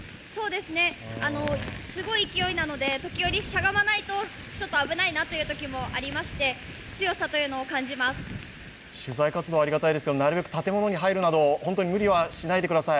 すごい勢いなので時折しゃがまないとちょっと危ないなというときもありまして取材活動はありがたいですけどなるべく建物に入るなど、本当に無理はしないでください。